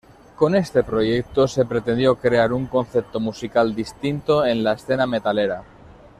Con este proyecto, se pretendió crear un concepto musical distinto en la escena metalera.